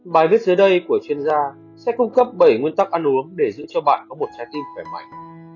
bài viết dưới đây của chuyên gia sẽ cung cấp bảy nguyên tắc ăn uống để giữ cho bạn có một trái tim khỏe mạnh